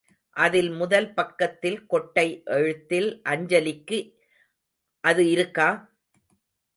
அதில் முதல் பக்கத்தில் கொட்டை எழுத்தில் அஞ்சலிக்கு அது இருக்கா?